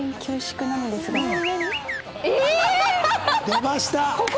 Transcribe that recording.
出ました！